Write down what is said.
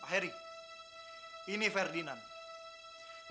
pak heri ini ferdinand